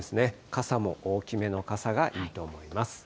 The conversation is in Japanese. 傘も大きめの傘がいいと思います。